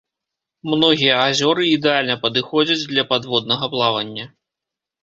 Многія азёры ідэальна падыходзяць для падводнага плавання.